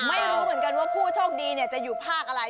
ไม่รู้เหมือนกันว่าผู้โชคดีจะอยู่ภาคอะไร